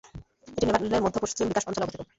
এটি নেপালের মধ্য-পশ্চিম বিকাশ অঞ্চলে অবস্থিত।